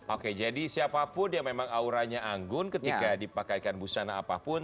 oke jadi siapapun yang memang auranya anggun ketika dipakaikan busana apapun